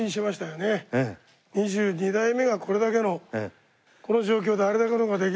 二十二代目がこれだけのこの状況であれだけのができるというのは。